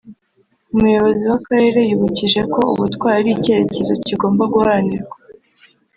Umuyobozi w’Akarere yibukije ko Ubutwari ari icyerekezo kigomba guharanirwa